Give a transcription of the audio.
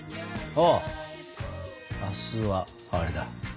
ああ明日はあれだ。